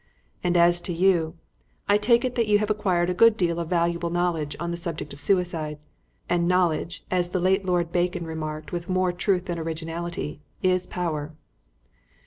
And as to you, I take it that you have acquired a good deal of valuable knowledge on the subject of suicide, and knowledge, as the late Lord Bacon remarked with more truth than originality, is power."